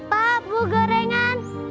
pak bu gorengan